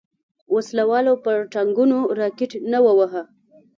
وسله والو پر ټانګونو راکټ نه وواهه.